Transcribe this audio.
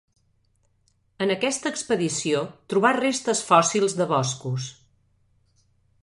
En aquesta expedició trobà restes fòssils de boscos.